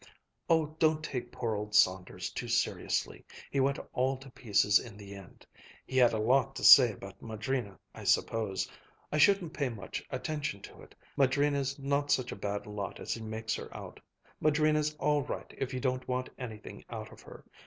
"Oh, don't take poor old Saunders too seriously. He went all to pieces in the end. He had a lot to say about Madrina, I suppose. I shouldn't pay much attention to it. Madrina's not such a bad lot as he makes her out. Madrina's all right if you don't want anything out of her.